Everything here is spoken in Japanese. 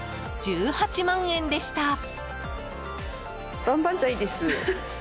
１８万円でした。